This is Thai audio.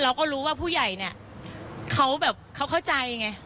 เราก็รู้ว่าผู้ใหญ่เนี่ยเขาแบบเขาเข้าใจไง